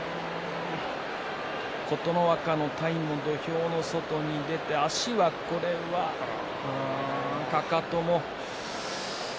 琴ノ若の体も土俵の外に出て足はこれはかかとも。